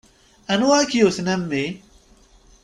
Anwa i k-yewwten, a mmi?